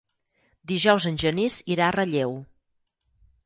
Dijous en Genís irà a Relleu.